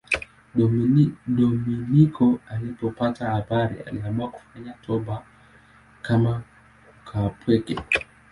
Dominiko alipopata habari aliamua kufanya toba kama mkaapweke.